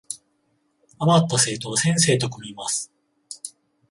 あまった生徒は先生と組みます